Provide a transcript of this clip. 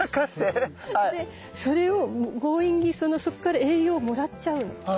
でそれを強引にそっから栄養をもらっちゃうの。